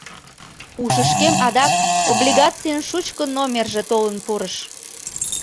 Ушышкем адак облигацийын шучко номерже толын пурыш.